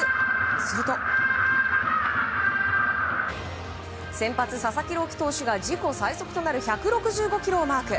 すると先発、佐々木朗希投手が自己最速となる１６５キロをマーク。